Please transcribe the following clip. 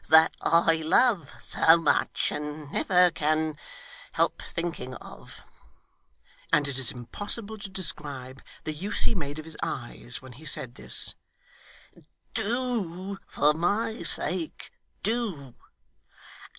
' That I love so much, and never can help thinking of,' and it is impossible to describe the use he made of his eyes when he said this 'do for my sake, do.